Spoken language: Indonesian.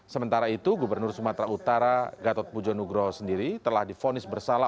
sementara itu gubernur sumatera utara gatot pujo nugroho sendiri telah difonis bersalah